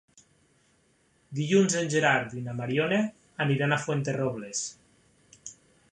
Dilluns en Gerard i na Mariona aniran a Fuenterrobles.